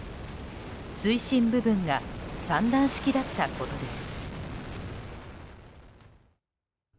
推進部分が３段式だったことです。